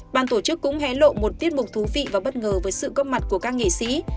ban tổ chức cũng hé lộ một tiết mục thú vị và bất ngờ với sự góp mặt của các nghệ sĩ